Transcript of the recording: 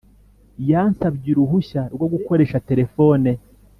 yansabye uruhushya rwo gukoresha terefone.